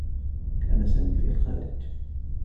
كان سامي في الخارج.